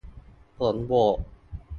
ผลโหวต